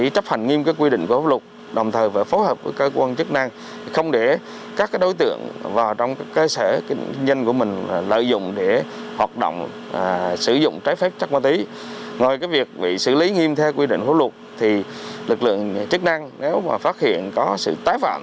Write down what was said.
theo quy định hữu luật lực lượng chất năng nếu phát hiện có sự tái phạm